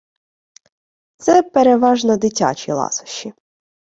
Це переважно дитячі ласощі.